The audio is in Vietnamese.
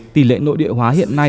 tỷ lệ nội địa hóa hiện nay